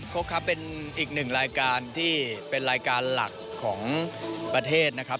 กครับเป็นอีกหนึ่งรายการที่เป็นรายการหลักของประเทศนะครับ